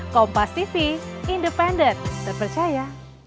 kompas tv independen terpercaya